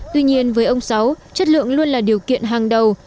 tuy nhiên với ông sáu chất lượng luôn là điều kiện hàng đầu